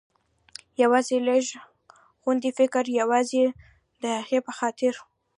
یوازې لږ غوندې فکر، یوازې د هغې په خاطر.